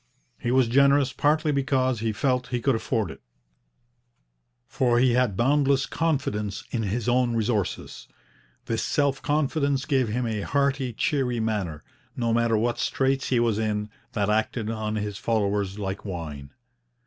He was generous partly because he felt he could afford it, for he had boundless confidence in his own resources. This self confidence gave him a hearty, cheery manner, no matter what straits he was in, that acted on his followers like wine.